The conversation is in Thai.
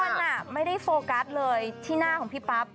มันไม่ได้โฟกัสเลยที่หน้าของพี่ปั๊บ